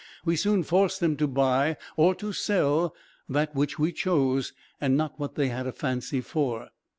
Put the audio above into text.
We soon forced them to buy, or to sell, that which we chose; and not what they had a fancy for.